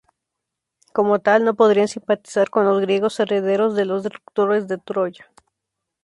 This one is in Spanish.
Como tal, no podrían simpatizar con los griegos herederos de los destructores de Troya.